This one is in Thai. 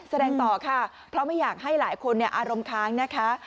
แสดงต่อค่ะเพราะไม่อยากให้หลายคนอารมณ์ค้างนะคะ